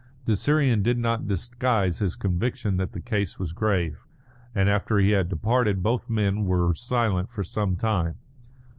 The Syrian did not disguise his conviction that the case was grave; and after he had departed both men were silent for some time.